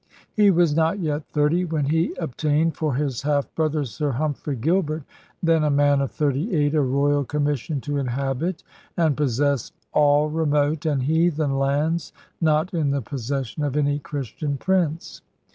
He was not yet thirty when he obtained for his half brother, Sir Humphrey Gilbert, then a man of thirty eight, a royal commission 'to inhabit and possess all remote and Heathen lands not in the possession of any Christian prince.